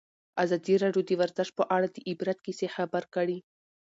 ازادي راډیو د ورزش په اړه د عبرت کیسې خبر کړي.